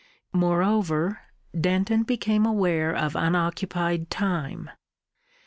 Moreover, Denton became aware of unoccupied time.